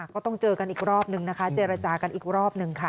ก็ต้องเจอกันอีกรอบนึงนะคะเจรจากันอีกรอบหนึ่งค่ะ